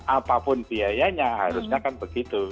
apapun biayanya harusnya kan begitu